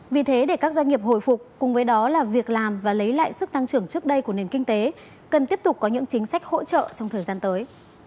vì thế để các doanh nghiệp hồi phục cùng với đó là việc làm và lấy lại sức tăng trưởng trước đây của nền kinh tế cần tiếp tục có những chính sách hỗ trợ trong thời gian tới